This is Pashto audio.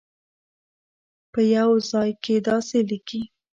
په یوه ځای کې داسې لیکي.